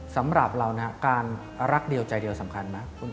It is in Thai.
สำหรับเรานะการรักเดียวใจเดียวสำคัญนะ